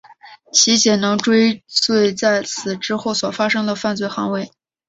其仅能追诉在此之后所发生的犯罪行为。